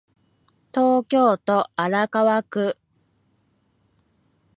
東京都荒川区